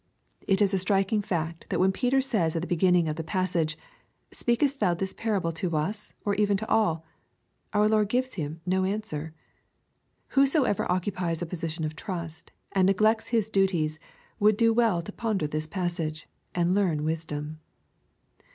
It is a striking i'act that when Peter says at the beginning of the passage, "Speakest thou this parable to as, or even to all ?" our Lord gives him no answer. Whosoever occupies a position of trust, and neglects his duties, would do well to ponder this passage, and learn wisdom.